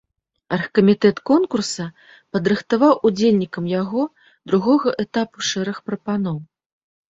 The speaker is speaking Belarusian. Аргкамітэт конкурса падрыхтаваў удзельнікам яго другога этапу шэраг прапаноў.